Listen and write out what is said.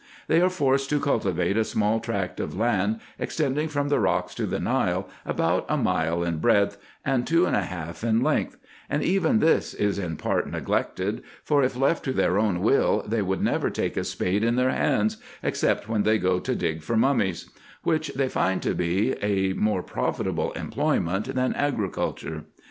They are forced to cultivate a small tract of land, extending from the rocks to the Nile, about a mile in breadth, and two and a half in length ; and even this is in part neglected ; for if left to their own will, they would never take a spade in their hands, except when they go to dig for mummies ; which they find to be a more profitable employ ment than agriculture.